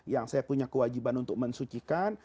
yang saya punya kewajiban untuk mensucikan